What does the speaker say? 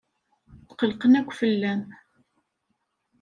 Tqellqen akk fell-am.